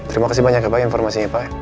terima kasih banyak pak informasinya pak